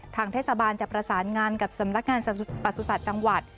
ทางเทศบาลจะประสานงานกับสำนักงานประสุทธิ์จังหวัด